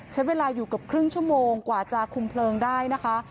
ใช้เวลาอยู่เกือบครึ่งชั่วโมงกว่าจะคุมเพลิงได้นะคะ